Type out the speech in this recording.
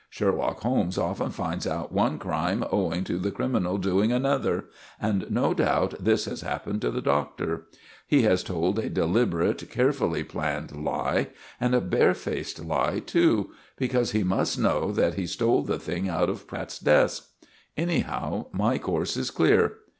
Sherlock Holmes often finds out one crime owing to the criminal doing another, and no doubt this has happened to the Doctor. He has told a deliberate, carefully planned lie, and a barefaced lie too; because he must know that he stole the thing out of Pratt's desk. Anyhow, my course is clear."